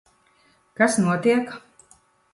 Kas notiek?